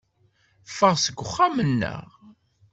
Ffeɣ seg uxxam-nneɣ.